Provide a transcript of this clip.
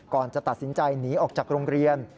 ก่อนจะตัดสินใจหนีออกจากโรงเรียน